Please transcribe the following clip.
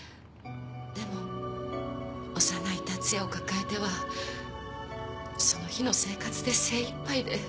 でも幼い達也を抱えてはその日の生活で精一杯で。